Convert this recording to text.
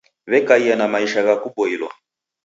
W'ekaia na maisha gha kuboilwa